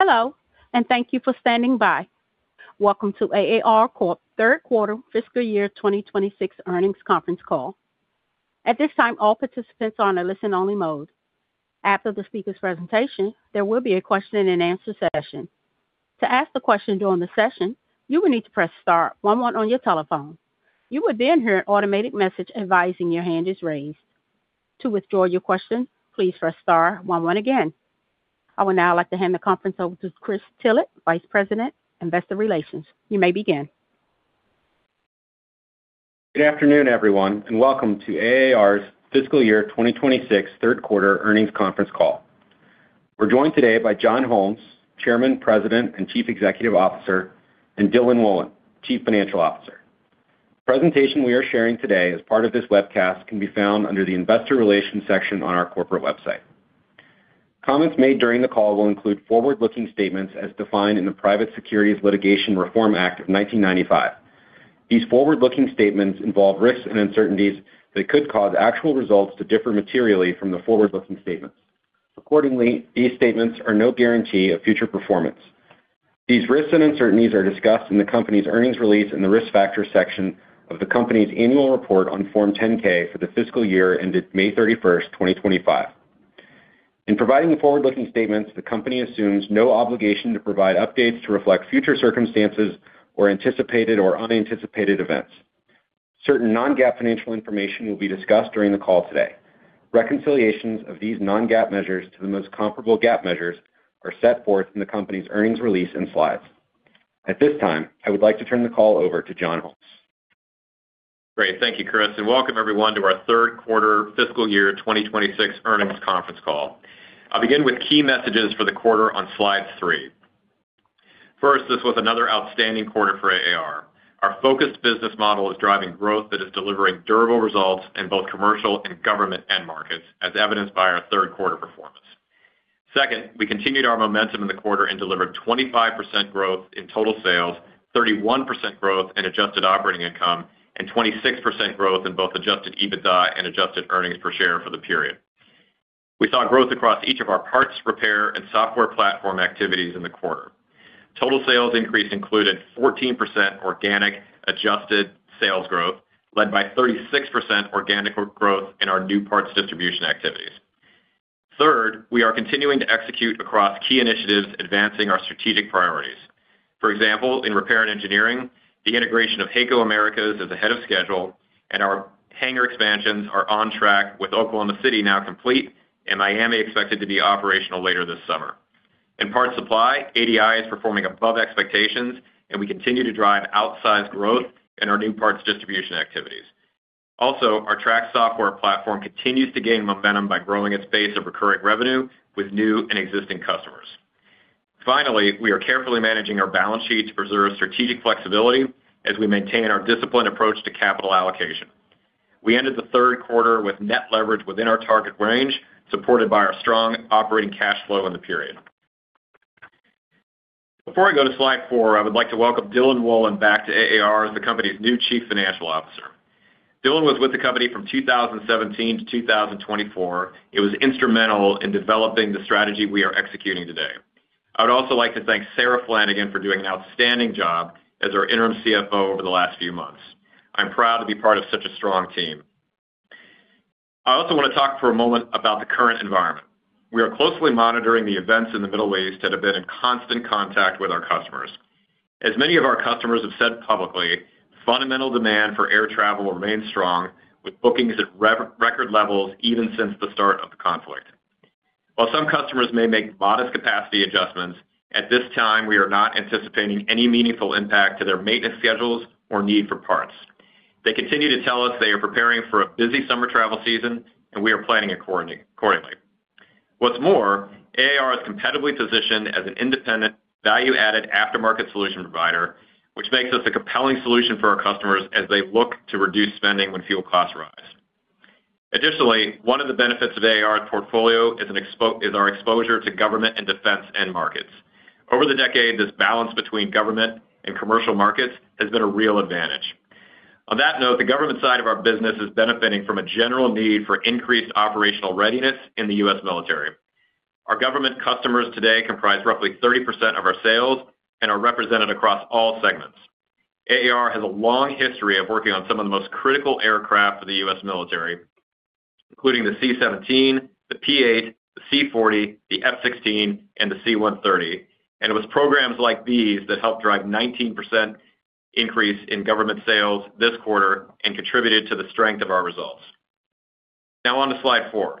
Hello, and thank you for standing by. Welcome to AAR Corp. Third Quarter Fiscal Year 2026 Earnings Call. At this time, all participants are on a listen-only mode. After the speaker's presentation, there will be a question and answer session. To ask the question during the session, you will need to press star one one on your telephone. You would then hear an automated message advising your hand is raised. To withdraw your question, please press star one one again. I would now like to hand the conference over to Chris Tillett, Vice President, Investor Relations. You may begin. Good afternoon, everyone, and welcome to AAR's Fiscal Year 2026 Third Quarter Earnings Conference Call. We're joined today by John Holmes, Chairman, President, and Chief Executive Officer, and Dylan Wolin, Chief Financial Officer. The presentation we are sharing today as part of this webcast can be found under the Investor Relations section on our corporate website. Comments made during the call will include forward-looking statements as defined in the Private Securities Litigation Reform Act of 1995. These forward-looking statements involve risks and uncertainties that could cause actual results to differ materially from the forward-looking statements. Accordingly, these statements are no guarantee of future performance. These risks and uncertainties are discussed in the company's earnings release in the Risk Factors section of the company's annual report on Form 10-K for the fiscal year ended May 31, 2025. In providing the forward-looking statements, the company assumes no obligation to provide updates to reflect future circumstances or anticipated or unanticipated events. Certain non-GAAP financial information will be discussed during the call today. Reconciliations of these non-GAAP measures to the most comparable GAAP measures are set forth in the company's earnings release and slides. At this time, I would like to turn the call over to John. Great. Thank you, Chris, and welcome everyone to our Third Quarter Fiscal Year 2026 Earnings Conference Call. I'll begin with key messages for the quarter on slide 3. First, this was another outstanding quarter for AAR. Our focused business model is driving growth that is delivering durable results in both commercial and government end markets, as evidenced by our third quarter performance. Second, we continued our momentum in the quarter and delivered 25% growth in total sales, 31% growth in adjusted operating income, and 26% growth in both adjusted EBITDA and adjusted earnings per share for the period. We saw growth across each of our parts repair and software platform activities in the quarter. Total sales increase included 14% organic adjusted sales growth, led by 36% organic growth in our new parts distribution activities. Third, we are continuing to execute across key initiatives advancing our strategic priorities. For example, in repair and engineering, the integration of HAECO Americas is ahead of schedule and our hangar expansions are on track, with Oklahoma City now complete and Miami expected to be operational later this summer. In parts supply, ADI is performing above expectations and we continue to drive outsized growth in our new parts distribution activities. Also, our Trax software platform continues to gain momentum by growing its base of recurring revenue with new and existing customers. Finally, we are carefully managing our balance sheet to preserve strategic flexibility as we maintain our disciplined approach to capital allocation. We ended the third quarter with net leverage within our target range, supported by our strong operating cash flow in the period. Before I go to slide 4, I would like to welcome Dylan Wolin back to AAR as the company's new Chief Financial Officer. Dylan was with the company from 2017 to 2024 and was instrumental in developing the strategy we are executing today. I would also like to thank Sarah Flanagan for doing an outstanding job as our Interim CFO over the last few months. I'm proud to be part of such a strong team. I also want to talk for a moment about the current environment. We are closely monitoring the events in the Middle East and have been in constant contact with our customers. As many of our customers have said publicly, fundamental demand for air travel remains strong, with bookings at record levels even since the start of the conflict. While some customers may make modest capacity adjustments, at this time we are not anticipating any meaningful impact to their maintenance schedules or need for parts. They continue to tell us they are preparing for a busy summer travel season and we are planning accordingly. What's more, AAR is competitively positioned as an independent value-added aftermarket solution provider which makes us a compelling solution for our customers as they look to reduce spending when fuel costs rise. Additionally, one of the benefits of AAR's portfolio is our exposure to government and defense end markets. Over the decade, this balance between government and commercial markets has been a real advantage. On that note, the government side of our business is benefiting from a general need for increased operational readiness in the U.S. military. Our government customers today comprise roughly 30% of our sales and are represented across all segments. AAR has a long history of working on some of the most critical aircraft for the U.S. military including the C-17, the P-8, the C-40, the F-16 and the C-130. It was programs like these that helped drive 19% increase in government sales this quarter and contributed to the strength of our results. Now on to slide 4.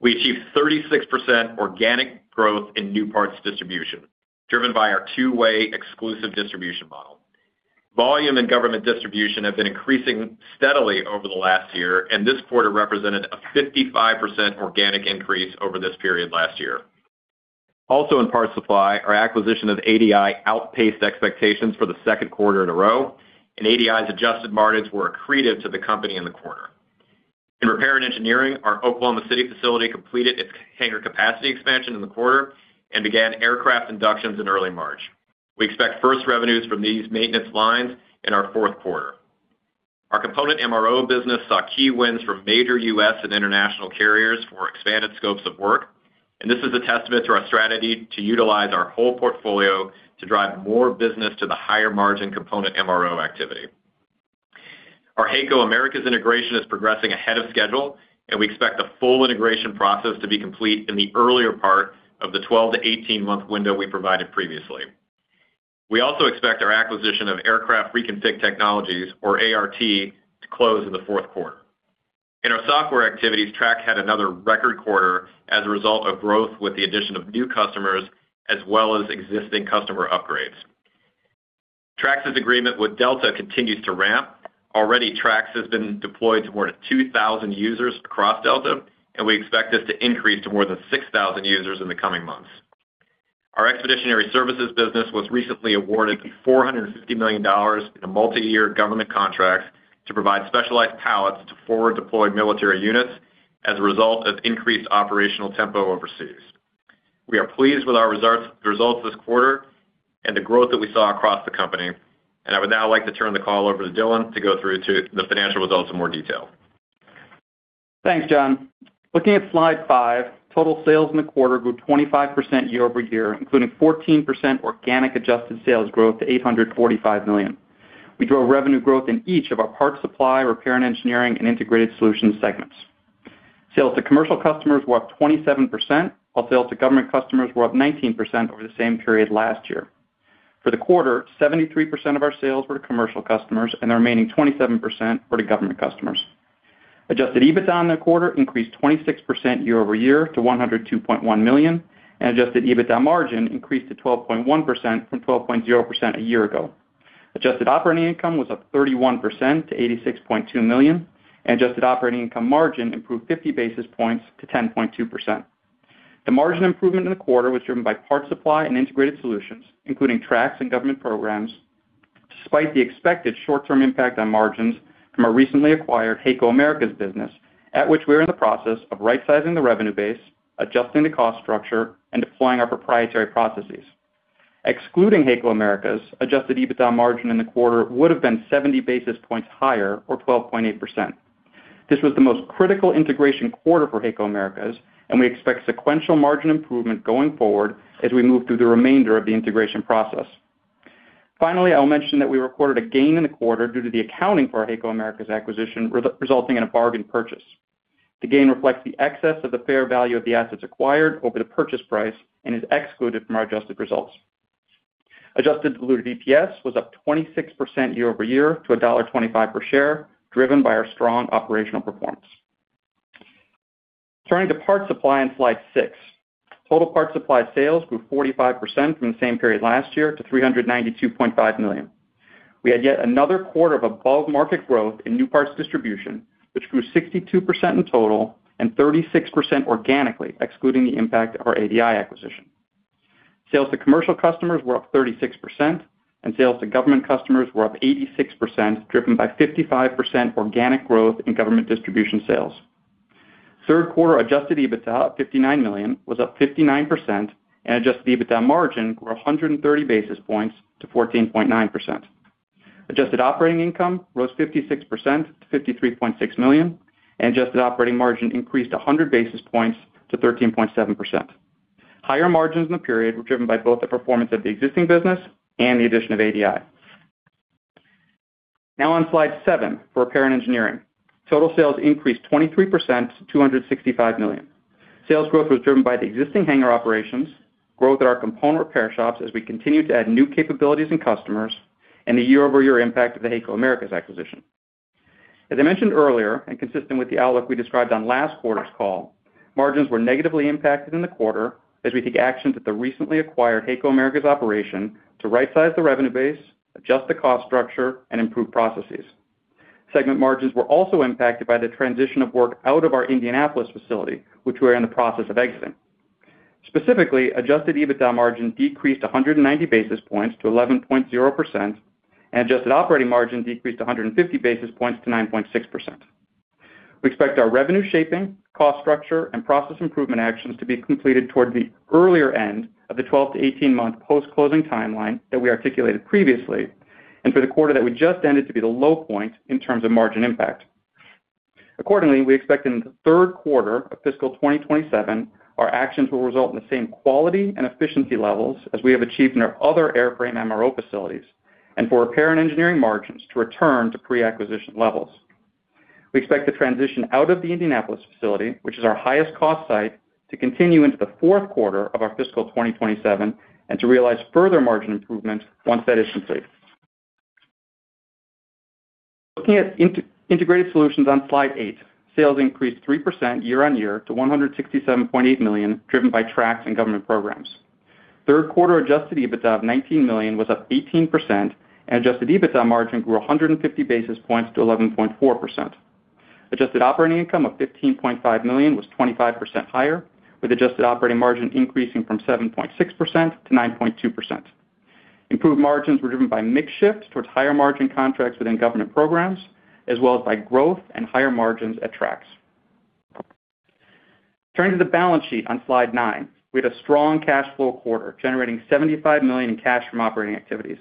We achieved 36% organic growth in new parts distribution, driven by our two-way exclusive distribution model. Volume and government distribution have been increasing steadily over the last year and this quarter represented a 55% organic increase over this period last year. Also in parts supply, our acquisition of ADI outpaced expectations for the second quarter in a row and ADI's adjusted margins were accretive to the company in the quarter. In repair and engineering, our Oklahoma City facility completed its hangar capacity expansion in the quarter and began aircraft inductions in early March. We expect first revenues from these maintenance lines in our fourth quarter. Component MRO business saw key wins from major U.S. and international carriers for expanded scopes of work, and this is a testament to our strategy to utilize our whole portfolio to drive more business to the higher margin component MRO activity. Our HAECO Americas integration is progressing ahead of schedule, and we expect the full integration process to be complete in the earlier part of the 12-18 month window we provided previously. We also expect our acquisition of Aircraft Reconfig Technologies, or ART, to close in the fourth quarter. In our software activities, Trax had another record quarter as a result of growth with the addition of new customers as well as existing customer upgrades. Trax's agreement with Delta continues to ramp. Already, Trax has been deployed to more than 2,000 users across Delta, and we expect this to increase to more than 6,000 users in the coming months. Our expeditionary services business was recently awarded $450 million in a multiyear government contract to provide specialized pallets to forward deployed military units as a result of increased operational tempo overseas. We are pleased with our results this quarter and the growth that we saw across the company, and I would now like to turn the call over to Dylan to go through the financial results in more detail. Thanks, John. Looking at slide 5, total sales in the quarter grew 25% year-over-year, including 14% organic adjusted sales growth to $845 million. We drove revenue growth in each of our parts supply, repair and engineering, and integrated solutions segments. Sales to commercial customers were up 27%, while sales to government customers were up 19% over the same period last year. For the quarter, 73% of our sales were to commercial customers, and the remaining 27% were to government customers. Adjusted EBITDA in the quarter increased 26% year-over-year to $102.1 million, and adjusted EBITDA margin increased to 12.1% from 12.0% a year ago. Adjusted operating income was up 31% to $86.2 million, and adjusted operating income margin improved 50 basis points to 10.2%. The margin improvement in the quarter was driven by parts supply and integrated solutions, including Trax and government programs, despite the expected short-term impact on margins from our recently acquired HAECO Americas business, at which we are in the process of rightsizing the revenue base, adjusting the cost structure, and deploying our proprietary processes. Excluding HAECO Americas, adjusted EBITDA margin in the quarter would have been 70 basis points higher or 12.8%. This was the most critical integration quarter for HAECO Americas, and we expect sequential margin improvement going forward as we move through the remainder of the integration process. Finally, I'll mention that we recorded a gain in the quarter due to the accounting for our HAECO Americas acquisition resulting in a bargain purchase. The gain reflects the excess of the fair value of the assets acquired over the purchase price and is excluded from our adjusted results. Adjusted diluted EPS was up 26% year-over-year to $1.25 per share, driven by our strong operational performance. Turning to part supply on slide 6. Total parts supply sales grew 45% from the same period last year to $392.5 million. We had yet another quarter of above-market growth in new parts distribution, which grew 62% in total and 36% organically, excluding the impact of our ADI acquisition. Sales to commercial customers were up 36%, and sales to government customers were up 86%, driven by 55% organic growth in government distribution sales. Third quarter adjusted EBITDA of $59 million was up 59%, and adjusted EBITDA margin grew 130 basis points to 14.9%. Adjusted operating income rose 56% to $53.6 million, and adjusted operating margin increased 100 basis points to 13.7%. Higher margins in the period were driven by both the performance of the existing business and the addition of ADI. Now on slide 7 for repair and engineering. Total sales increased 23% to $265 million. Sales growth was driven by the existing hangar operations, growth at our component repair shops as we continue to add new capabilities and customers, and the year-over-year impact of the HAECO Americas acquisition. As I mentioned earlier, and consistent with the outlook we described on last quarter's call, margins were negatively impacted in the quarter as we take action at the recently acquired HAECO Americas operation to rightsize the revenue base, adjust the cost structure, and improve processes. Segment margins were also impacted by the transition of work out of our Indianapolis facility, which we are in the process of exiting. Specifically, adjusted EBITDA margin decreased 190 basis points to 11.0%, and adjusted operating margin decreased 150 basis points to 9.6%. We expect our revenue shaping, cost structure, and process improvement actions to be completed toward the earlier end of the 12-18 month post-closing timeline that we articulated previously, and for the quarter that we just ended to be the low point in terms of margin impact. Accordingly, we expect in the third quarter of fiscal 2027, our actions will result in the same quality and efficiency levels as we have achieved in our other Airframe MRO facilities and for repair and engineering margins to return to pre-acquisition levels. We expect the transition out of the Indianapolis facility, which is our highest cost site, to continue into the fourth quarter of our fiscal 2027 and to realize further margin improvement once that is complete. Looking at integrated solutions on slide 8. Sales increased 3% year-over-year to $167.8 million, driven by Trax and government programs. Third quarter adjusted EBITDA of $19 million was up 18%, and adjusted EBITDA margin grew 150 basis points to 11.4%. Adjusted operating income of $15.5 million was 25% higher, with adjusted operating margin increasing from 7.6%-9.2%. Improved margins were driven by mix shift towards higher margin contracts within government programs, as well as by growth and higher margins at Trax. Turning to the balance sheet on slide 9. We had a strong cash flow quarter, generating $75 million in cash from operating activities.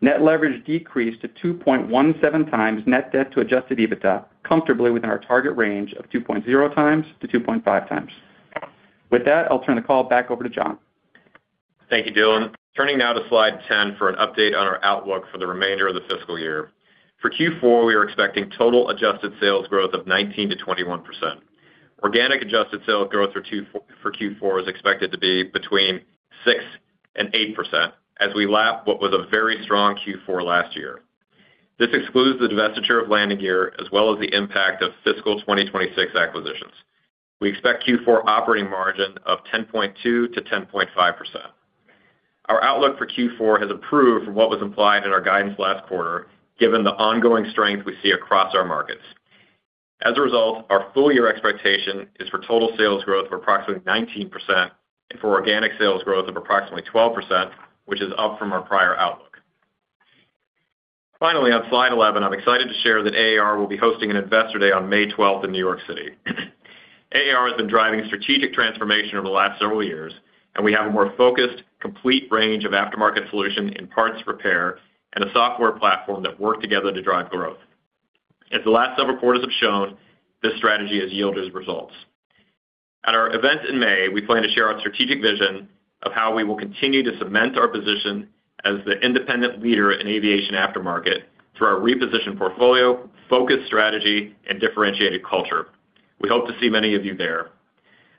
Net leverage decreased to 2.17 times net debt to adjusted EBITDA, comfortably within our target range of 2.0 times-2.5 times. With that, I'll turn the call back over to John. Thank you, Dylan. Turning now to slide 10 for an update on our outlook for the remainder of the fiscal year. For Q4, we are expecting total adjusted sales growth of 19%-21%. Organic adjusted sales growth for Q4 is expected to be between 6% and 8% as we lap what was a very strong Q4 last year. This excludes the divestiture of Landing Gear as well as the impact of fiscal 2026 acquisitions. We expect Q4 operating margin of 10.2%-10.5%. Our outlook for Q4 has improved from what was implied in our guidance last quarter, given the ongoing strength we see across our markets. As a result, our full year expectation is for total sales growth of approximately 19% and for organic sales growth of approximately 12%, which is up from our prior outlook. Finally, on slide 11, I'm excited to share that AAR will be hosting an investor day on May 12 in New York City. AAR has been driving strategic transformation over the last several years, and we have a more focused, complete range of aftermarket solution in parts repair and a software platform that work together to drive growth. As the last several quarters have shown, this strategy has yielded results. At our event in May, we plan to share our strategic vision of how we will continue to cement our position as the independent leader in aviation aftermarket through our repositioned portfolio, focused strategy, and differentiated culture. We hope to see many of you there.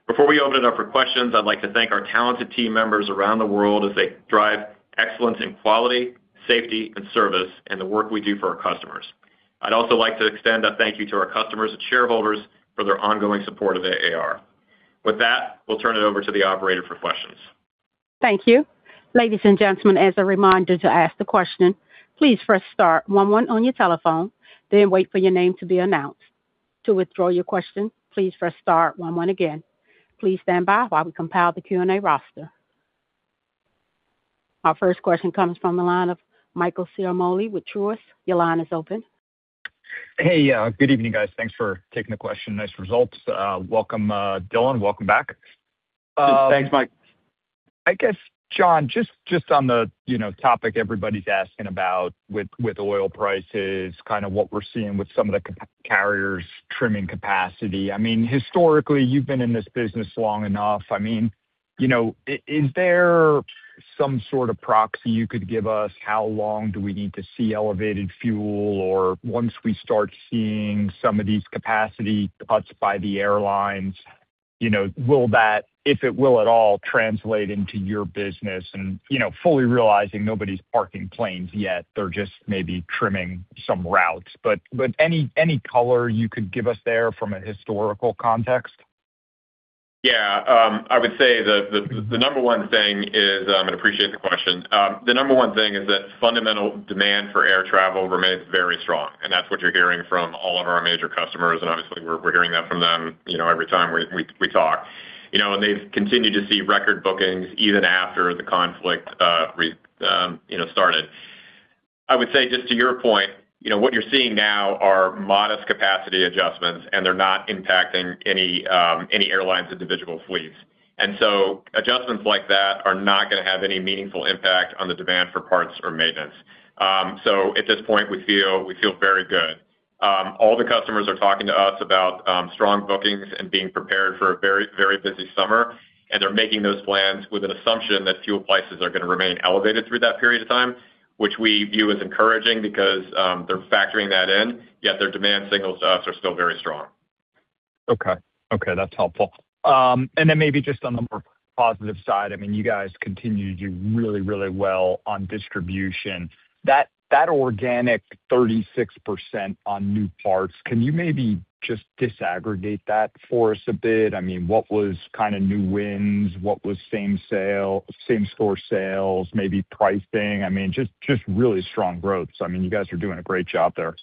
Before we open it up for questions, I'd like to thank our talented team members around the world as they drive excellence in quality, safety, and service in the work we do for our customers. I'd also like to extend a thank you to our customers and shareholders for their ongoing support of AAR. With that, we'll turn it over to the operator for questions. Thank you. Ladies and gentlemen, as a reminder to ask the question, please press star one one on your telephone, then wait for your name to be announced. To withdraw your question, please press star one one again. Please stand by while we compile the Q&A roster. Our first question comes from the line of Michael Ciarmoli with Truist. Your line is open. Hey, good evening, guys. Thanks for taking the question. Nice results. Welcome, Dylan. Welcome back. Thanks, Mike. I guess, John, just on the, you know, topic everybody's asking about with oil prices, kind of what we're seeing with some of the carriers trimming capacity. I mean, historically, you've been in this business long enough. I mean, you know, is there some sort of proxy you could give us? How long do we need to see elevated fuel? Or once we start seeing some of these capacity cuts by the airlines, you know, will that, if it will at all, translate into your business? You know, fully realizing nobody's parking planes yet, they're just maybe trimming some routes. But any color you could give us there from a historical context? Yeah, I would say the number one thing is, and I appreciate the question. The number one thing is that fundamental demand for air travel remains very strong, and that's what you're hearing from all of our major customers. Obviously, we're hearing that from them, you know, every time we talk. You know, they've continued to see record bookings even after the conflict, you know, started. I would say just to your point, you know, what you're seeing now are modest capacity adjustments, and they're not impacting any airline's individual fleets. Adjustments like that are not gonna have any meaningful impact on the demand for parts or maintenance. At this point, we feel very good. All the customers are talking to us about strong bookings and being prepared for a very, very busy summer. They're making those plans with an assumption that fuel prices are gonna remain elevated through that period of time, which we view as encouraging because they're factoring that in, yet their demand signals to us are still very strong. Okay, that's helpful. Then maybe just on the more positive side, I mean, you guys continue to do really, really well on distribution. That organic 36% on new parts, can you maybe just disaggregate that for us a bit? I mean, what was kinda new wins? What was same-store sales, maybe pricing? I mean, just really strong growth. I mean, you guys are doing a great job there.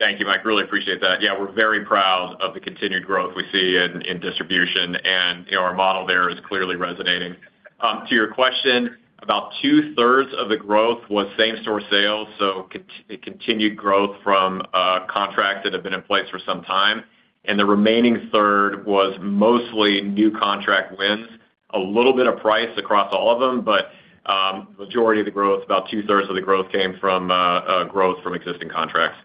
Thank you, Mike. I really appreciate that. Yeah, we're very proud of the continued growth we see in distribution. You know, our model there is clearly resonating. To your question, about two-thirds of the growth was same-store sales, so continued growth from contracts that have been in place for some time. The remaining third was mostly new contract wins. A little bit of price across all of them, but majority of the growth, about two-thirds of the growth came from growth from existing contracts.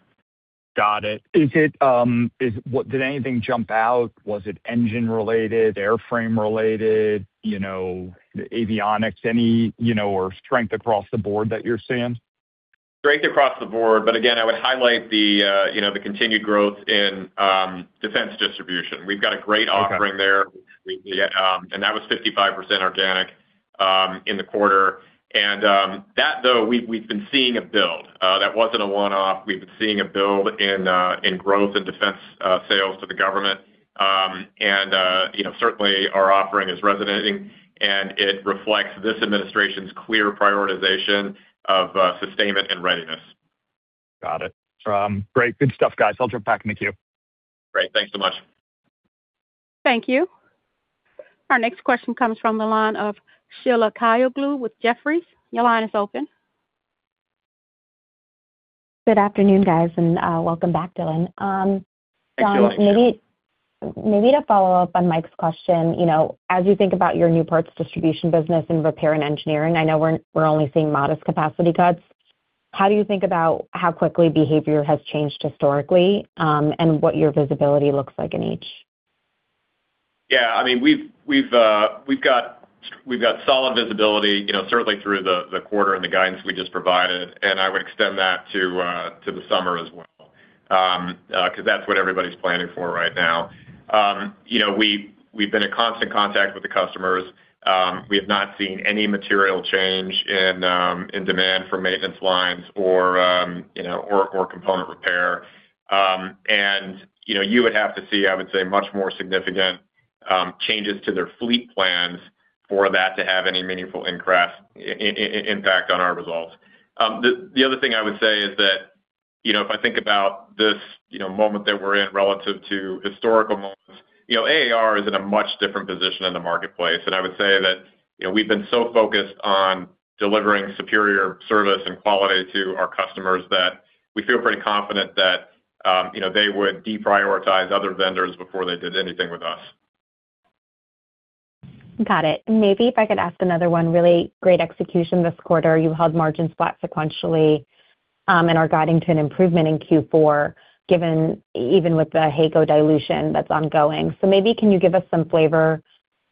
Got it. Did anything jump out? Was it engine related, airframe related, you know, the avionics, any, you know, or strength across the board that you're seeing? Strength across the board. Again, I would highlight the, you know, the continued growth in defense distribution. We've got a great offering there, and that was 55% organic in the quarter. That, though, we've been seeing a build. That wasn't a one-off. We've been seeing a build in growth in defense sales to the government. You know, certainly our offering is resonating, and it reflects this administration's clear prioritization of sustainment and readiness. Got it. Great. Good stuff, guys. I'll jump back in the queue. Great. Thanks so much. Thank you. Our next question comes from the line of Sheila Kahyaoglu with Jefferies. Your line is open. Good afternoon, guys, and welcome back, Dylan. Thank you. John, maybe to follow up on Mike's question, you know, as you think about your new parts distribution business and repair and engineering, I know we're only seeing modest capacity cuts. How do you think about how quickly behavior has changed historically, and what your visibility looks like in each? Yeah. I mean, we've got solid visibility, you know, certainly through the quarter and the guidance we just provided, and I would extend that to the summer as well, 'cause that's what everybody's planning for right now. You know, we've been in constant contact with the customers. We have not seen any material change in demand for maintenance lines or, you know, or component repair. You know, you would have to see, I would say, much more significant changes to their fleet plans for that to have any meaningful impact on our results. The other thing I would say is that, you know, if I think about this, you know, moment that we're in relative to historical moments, you know, AAR is in a much different position in the marketplace. I would say that, you know, we've been so focused on delivering superior service and quality to our customers that we feel pretty confident that, you know, they would deprioritize other vendors before they did anything with us. Got it. Maybe if I could ask another one. Really great execution this quarter. You held margins flat sequentially, and are guiding to an improvement in Q4, given even with the HAECO dilution that's ongoing. Maybe can you give us some flavor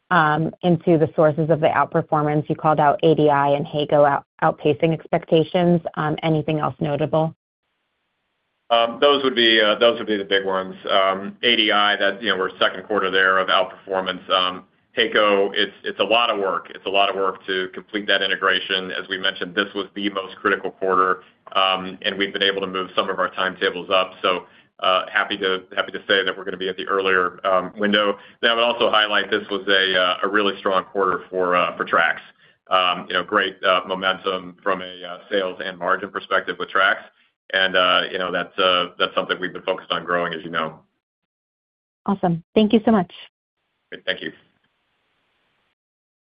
into the sources of the outperformance? You called out ADI and HAECO outpacing expectations. Anything else notable? Those would be the big ones. ADI, that's, you know, we're second quarter there of outperformance. HAECO, it's a lot of work to complete that integration. As we mentioned, this was the most critical quarter, and we've been able to move some of our timetables up, so happy to say that we're gonna be at the earlier window. I would also highlight this was a really strong quarter for Trax. You know, great momentum from a sales and margin perspective with Trax and, you know, that's something we've been focused on growing, as you know. Awesome. Thank you so much. Thank you.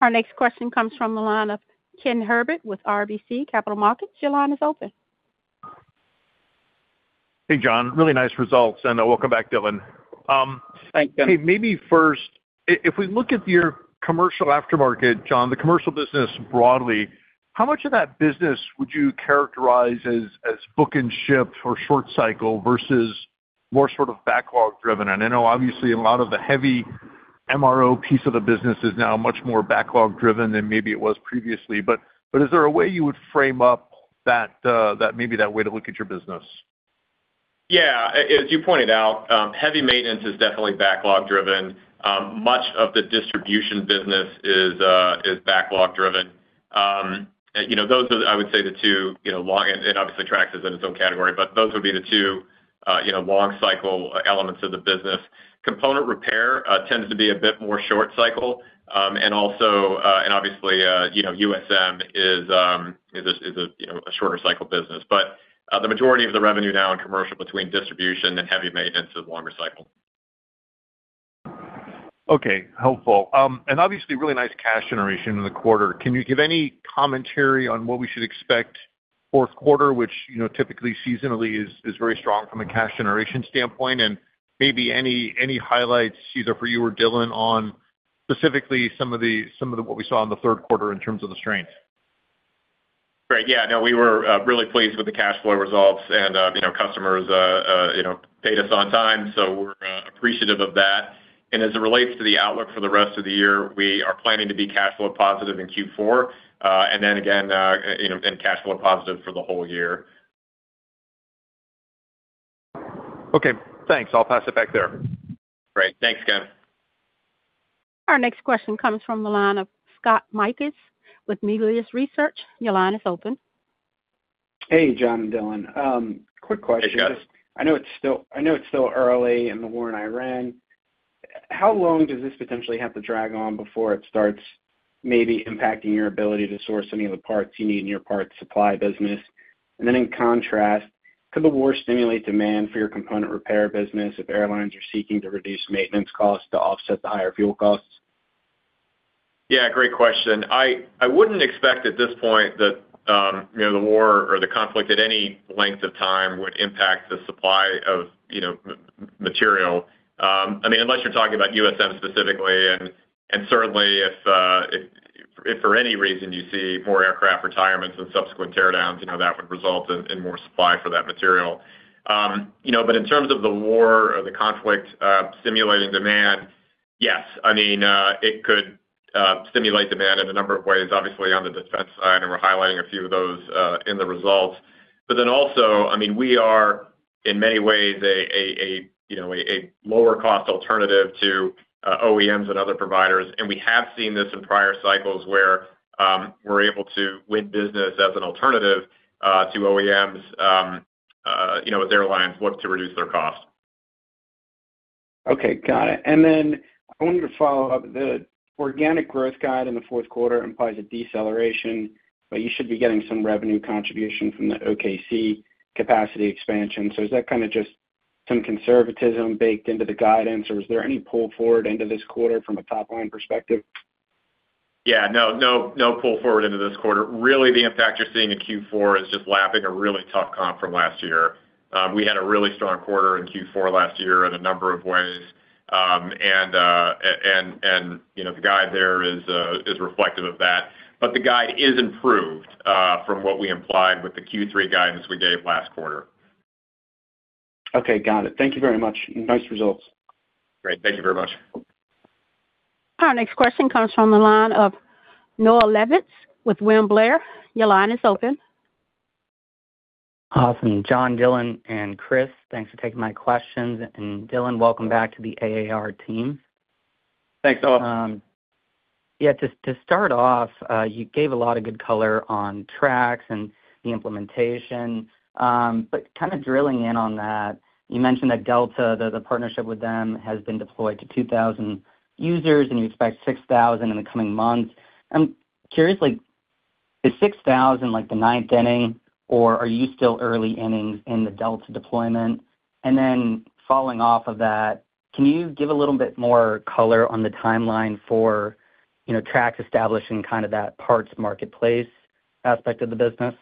Our next question comes from the line of Kenneth Herbert with RBC Capital Markets. Your line is open. Hey, John. Really nice results. Welcome back, Dylan. Thank you. Hey, maybe first, if we look at your commercial aftermarket, John, the commercial business broadly, how much of that business would you characterize as book and ship or short cycle versus more sort of backlog driven? I know obviously a lot of the heavy MRO piece of the business is now much more backlog driven than maybe it was previously. Is there a way you would frame up that maybe that way to look at your business? As you pointed out, heavy maintenance is definitely backlog driven. Much of the distribution business is backlog driven. You know, those are, I would say the two, you know, long, and obviously Trax is in its own category, but those would be the two, you know, long cycle elements of the business. Component repair tends to be a bit more short cycle. And obviously, you know, USM is a shorter cycle business. The majority of the revenue now in commercial between distribution and heavy maintenance is longer cycle. Okay. Helpful. Obviously really nice cash generation in the quarter. Can you give any commentary on what we should expect fourth quarter, which typically seasonally is very strong from a cash generation standpoint? Maybe any highlights either for you or Dylan on specifically some of the what we saw in the third quarter in terms of the strength? Great. Yeah. No, we were really pleased with the cash flow results and, you know, customers, you know, paid us on time, so we're appreciative of that. As it relates to the outlook for the rest of the year, we are planning to be cash flow positive in Q4. Then again, you know, cash flow positive for the whole year. Okay. Thanks. I'll pass it back there. Great. Thanks, Ken. Our next question comes from the line of Scott Mikus with Melius Research. Your line is open. Hey, John and Dylan. Quick question. Hey, Scott. I know it's still early in the war in Iran. How long does this potentially have to drag on before it starts maybe impacting your ability to source any of the parts you need in your parts supply business? In contrast, could the war stimulate demand for your component repair business if airlines are seeking to reduce maintenance costs to offset the higher fuel costs? Yeah, great question. I wouldn't expect at this point that, you know, the war or the conflict at any length of time would impact the supply of, you know, material. I mean, unless you're talking about USM specifically, and certainly if for any reason you see more aircraft retirements and subsequent teardowns, you know, that would result in more supply for that material. You know, but in terms of the war or the conflict stimulating demand, yes. I mean, it could stimulate demand in a number of ways, obviously on the defense side, and we're highlighting a few of those in the results. I mean, we are in many ways a lower cost alternative to OEMs and other providers. We have seen this in prior cycles where we're able to win business as an alternative to OEMs, you know, as airlines look to reduce their costs. Okay. Got it. I wanted to follow up. The organic growth guidance in the fourth quarter implies a deceleration, but you should be getting some revenue contribution from the OKC capacity expansion. Is that kinda just some conservatism baked into the guidance, or is there any pull forward into this quarter from a top-line perspective? Yeah. No, no pull forward into this quarter. Really, the impact you're seeing in Q4 is just lapping a really tough comp from last year. We had a really strong quarter in Q4 last year in a number of ways, and you know, the guide there is reflective of that. The guide is improved from what we implied with the Q3 guidance we gave last quarter. Okay, got it. Thank you very much. Nice results. Great. Thank you very much. Our next question comes from the line of Noah Poponak with William Blair. Your line is open. Awesome. John, Dylan, and Chris, thanks for taking my questions. Dylan, welcome back to the AAR team. Thanks, Noah. Yeah, to start off, you gave a lot of good color on Trax and the implementation. Kinda drilling in on that, you mentioned that Delta, the partnership with them has been deployed to 2,000 users, and you expect 6,000 in the coming months. I'm curious, like, is 6,000 like the ninth inning, or are you still early innings in the Delta deployment? Then following off of that, can you give a little bit more color on the timeline for, you know, Trax establishing kind of that parts marketplace aspect of the business?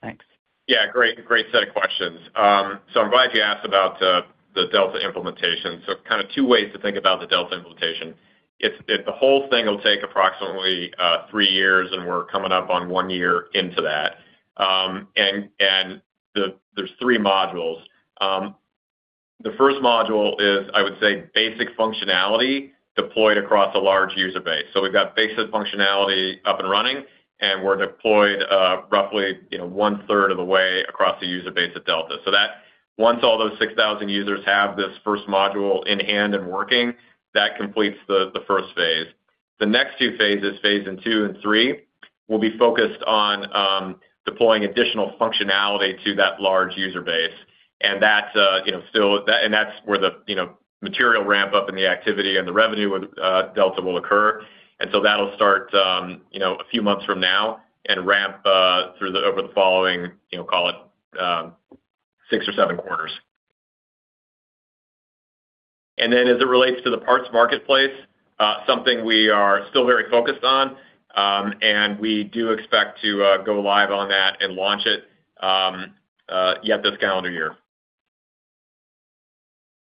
Thanks. Yeah. Great set of questions. I'm glad you asked about the Delta implementation. Kind of two ways to think about the Delta implementation. The whole thing will take approximately three years, and we're coming up on one year into that. There's three modules. The first module is, I would say, basic functionality deployed across a large user base. We've got basic functionality up and running, and we're deployed roughly, you know, one-third of the way across the user base at Delta. Once all those 6,000 users have this first module in hand and working, that completes the first phase. The next two phases II and III, will be focused on deploying additional functionality to that large user base. That's where the, you know, material ramp-up in the activity and the revenue with Delta will occur. That'll start, you know, a few months from now and ramp over the following, you know, call it, six or seven quarters. Then as it relates to the parts marketplace, something we are still very focused on, and we do expect to go live on that and launch it, yeah, this calendar year.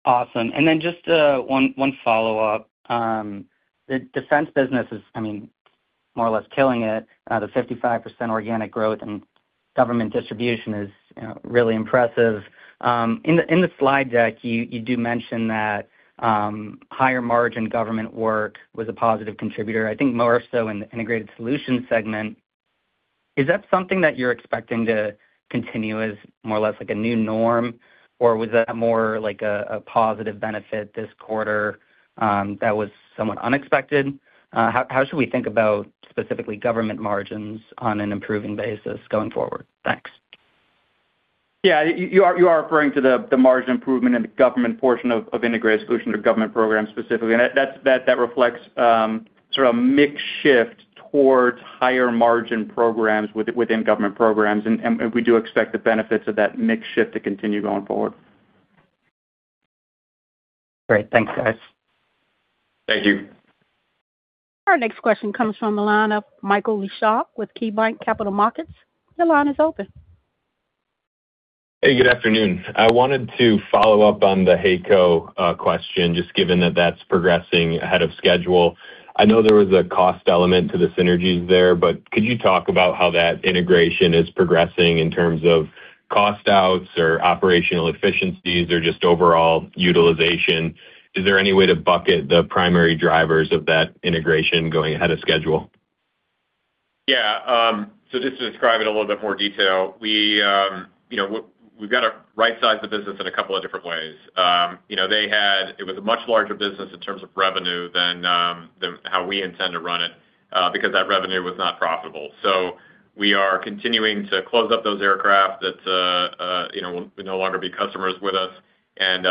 Awesome. Just one follow-up. The defense business is, I mean, more or less killing it. The 55% organic growth in government distribution is, you know, really impressive. In the slide deck, you do mention that higher margin government work was a positive contributor, I think more so in the integrated solutions segment. Is that something that you're expecting to continue as more or less like a new norm, or was that more like a positive benefit this quarter that was somewhat unexpected? How should we think about specifically government margins on an improving basis going forward? Thanks. Yeah. You are referring to the margin improvement in the government portion of integrated solutions or government programs specifically. That reflects sort of a mix shift towards higher margin programs within government programs. We do expect the benefits of that mix shift to continue going forward. Great. Thanks, guys. Thank you. Our next question comes from the line of Michael Leshock with KeyBanc Capital Markets. Your line is open. Hey, good afternoon. I wanted to follow up on the HAECO question, just given that that's progressing ahead of schedule. I know there was a cost element to the synergies there, but could you talk about how that integration is progressing in terms of cost outs or operational efficiencies or just overall utilization? Is there any way to bucket the primary drivers of that integration going ahead of schedule? Yeah. Just to describe it in a little bit more detail. We, you know, we've got to rightsize the business in a couple of different ways. It was a much larger business in terms of revenue than how we intend to run it, because that revenue was not profitable. We are continuing to close up those aircraft that, you know, will no longer be customers with us and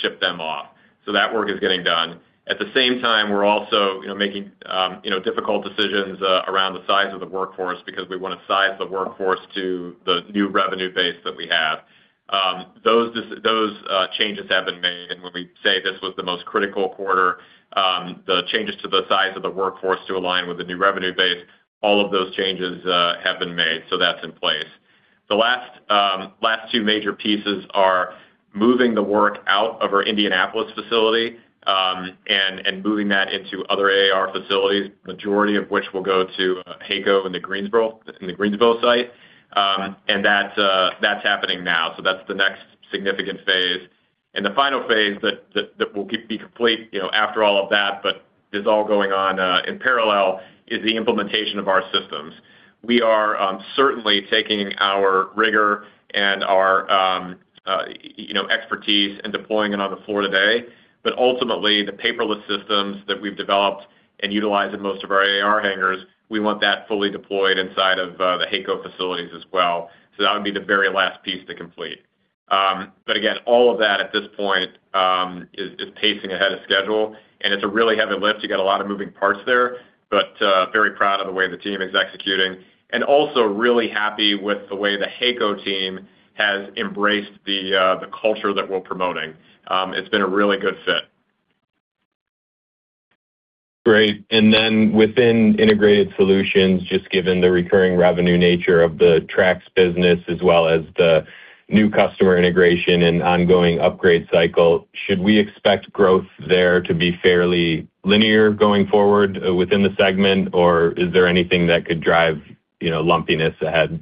ship them off. That work is getting done. At the same time, we're also, you know, making, you know, difficult decisions around the size of the workforce because we wanna size the workforce to the new revenue base that we have. Those changes have been made. When we say this was the most critical quarter, the changes to the size of the workforce to align with the new revenue base, all of those changes, have been made, so that's in place. The last two major pieces are moving the work out of our Indianapolis facility, and moving that into other AAR facilities, majority of which will go to HAECO in the Greensboro site. That's happening now. That's the next significant phase. The final phase that will be complete, you know, after all of that, but is all going on in parallel, is the implementation of our systems. We are certainly taking our rigor and our, you know, expertise and deploying it on the floor today. Ultimately, the paperless systems that we've developed and utilize in most of our AAR hangars, we want that fully deployed inside of the HAECO facilities as well. That would be the very last piece to complete. Again, all of that at this point is pacing ahead of schedule. It's a really heavy lift. You got a lot of moving parts there, but very proud of the way the team is executing. Also really happy with the way the HAECO team has embraced the culture that we're promoting. It's been a really good fit. Great. Within Integrated Solutions, just given the recurring revenue nature of the Trax business as well as the new customer integration and ongoing upgrade cycle, should we expect growth there to be fairly linear going forward within the segment, or is there anything that could drive, you know, lumpiness ahead?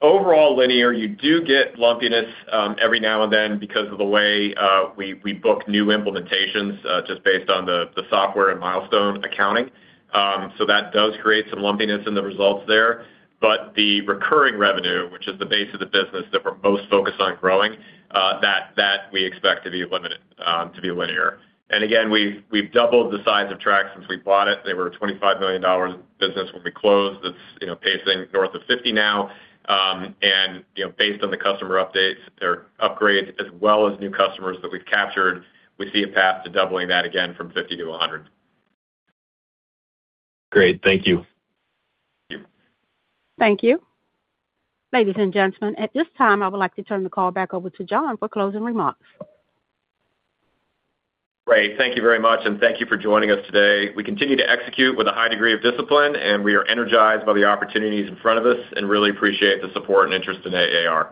Overall linear. You do get lumpiness every now and then because of the way we book new implementations just based on the software and milestone accounting. So that does create some lumpiness in the results there. The recurring revenue, which is the base of the business that we're most focused on growing, that we expect to be linear. Again, we've doubled the size of Trax since we bought it. They were a $25 million business when we closed. It's, you know, pacing north of $50 million now. You know, based on the customer updates, their upgrades as well as new customers that we've captured, we see a path to doubling that again from $50 million-$100 million. Great. Thank you. Thank you. Thank you. Ladies and gentlemen, at this time, I would like to turn the call back over to John for closing remarks. Great. Thank you very much, and thank you for joining us today. We continue to execute with a high degree of discipline, and we are energized by the opportunities in front of us and really appreciate the support and interest in AAR.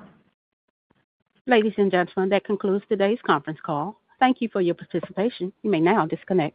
Ladies and gentlemen, that concludes today's conference call. Thank you for your participation. You may now disconnect.